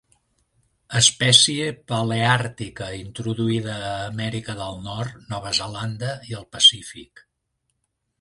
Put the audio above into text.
Espècie paleàrtica, introduïda a Amèrica del Nord, Nova Zelanda i el Pacífic.